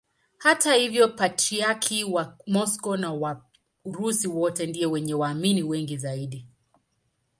Hata hivyo Patriarki wa Moscow na wa Urusi wote ndiye mwenye waamini wengi zaidi.